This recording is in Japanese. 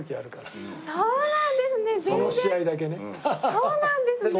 そうなんですね！